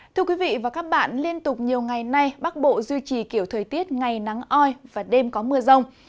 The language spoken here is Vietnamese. thưa quý vị và các bạn liên tục nhiều ngày nay bắc bộ duy trì kiểu thời tiết ngày nắng oi và đêm có mưa rông